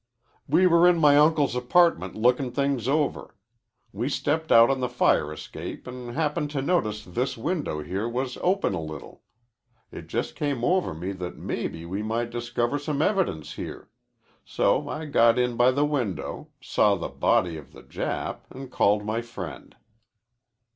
"We were in my uncle's apartment lookin' things over. We stepped out on the fire escape an' happened to notice this window here was open a little. It just came over me that mebbe we might discover some evidence here. So I got in by the window, saw the body of the Jap, an' called my friend."